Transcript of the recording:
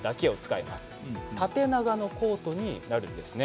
縦長のコートになるんですね。